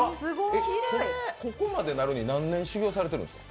ここまでなるのに何年修行されてるんですか？